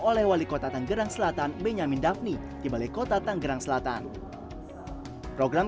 oleh wali kota tanggerang selatan benyamin dapni di balai kota tanggerang selatan program